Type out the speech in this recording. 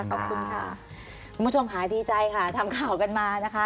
คุณผู้ชมค่ะดีใจค่ะทำข่าวกันมานะคะ